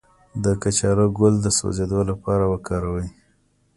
د کچالو ګل د سوځیدو لپاره وکاروئ